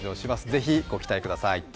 ぜひご期待ください。